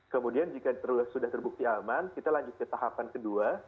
kemudian jika sudah terbukti aman kita lanjut ke tahapan kedua